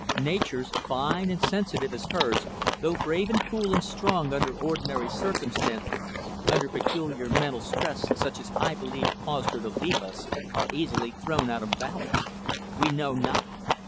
Natures, fine and sensitive as hers, though brave and cool and strong under ordinary circumstances, under peculiar mental stress such as I believe caused her to leave us, are easily thrown out of balance. We know nothing.